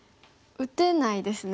打てないですね。